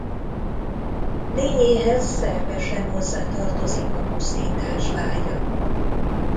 Lényéhez szervesen hozzátartozik a pusztítás vágya.